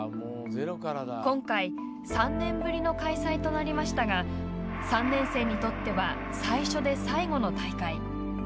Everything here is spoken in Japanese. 今回、３年ぶりの開催となりましたが３年生にとっては最初で最後の大会。